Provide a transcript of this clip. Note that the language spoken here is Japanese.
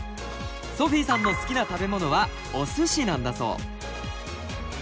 ソフィーさんの好きな食べ物はおすしなんだそう。